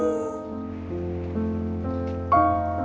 ganti tapi ternyata ada yang